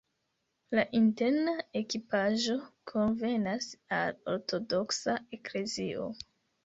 La interna ekipaĵo konvenas al la ortodoksa eklezio.